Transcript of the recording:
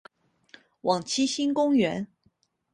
往七星公园